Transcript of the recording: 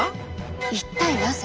一体なぜ？